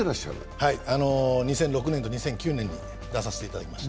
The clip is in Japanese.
はい、２００６年と２００９年に出させていただきました。